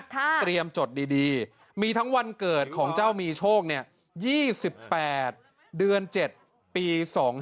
เตรียมจดดีมีทั้งวันเกิดของเจ้ามีโชค๒๘เดือน๗ปี๒๕๖